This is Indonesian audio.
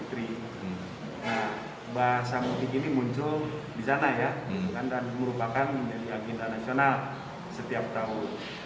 nah bahasa mudik ini muncul di sana ya dan merupakan menjadi agenda nasional setiap tahun